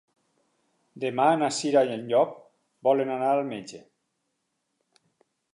Demà na Cira i en Llop volen anar al metge.